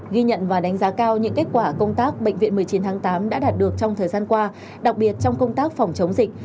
ghi nhận và đánh giá cao những kết quả công tác bệnh viện một mươi chín tháng tám đã đạt được trong thời gian qua đặc biệt trong công tác phòng chống dịch